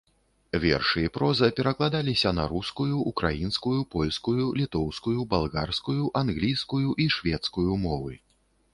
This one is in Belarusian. Вершы і проза перакладаліся на рускую, украінскую, польскую, літоўскую, балгарскую, англійскую і шведскую мовы.